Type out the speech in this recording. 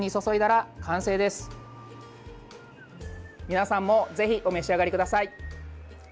皆さんもぜひ、お召し上がりください。